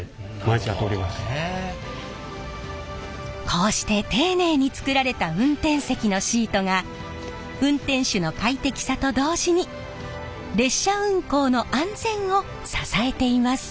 こうして丁寧に作られた運転席のシートが運転手の快適さと同時に列車運行の安全を支えています。